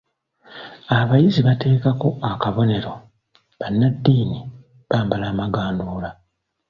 Abayizi bateekako akabonero, bannaddiini bambala amaganduula.